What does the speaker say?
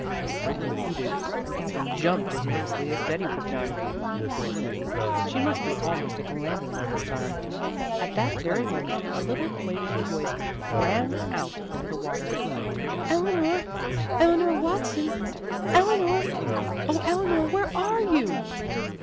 An owl hooted, and Katherine jumped as nervously as Betty would have done. Poor Betty! She must be almost at the landing by this time. At that very moment a little quavering voice rang out over the water. "Eleanor! Eleanor Watson! Eleanor! Oh, Eleanor, where are you?"